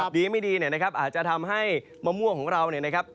ดีไม่ดีเนี่ยนะครับอาจจะทำให้มะม่วงของเราเนี่ยนะครับ